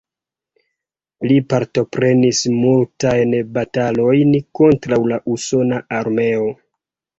Li partoprenis multajn batalojn kontraŭ la usona armeo.